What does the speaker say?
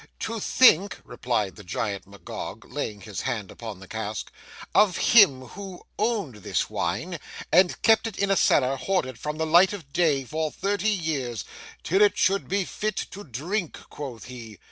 'To think,' replied the Giant Magog, laying his hand upon the cask, 'of him who owned this wine, and kept it in a cellar hoarded from the light of day, for thirty years,—"till it should be fit to drink," quoth he.